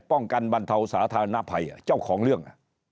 บรรเทาสาธารณภัยเจ้าของเรื่อง